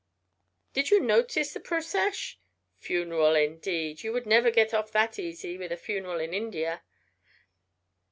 Did you notice the procesh? Funeral indeed! You would never get off that easy with a funeral in India."